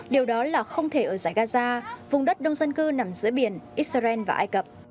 điều đó là không thể ở giải gaza vùng đất đông dân cư nằm giữa biển israel và ai cập